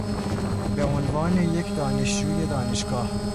به عنوان یک دانشجوی دانشگاه